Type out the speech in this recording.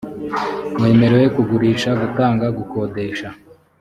wemerewe kugurisha gutanga gukodesha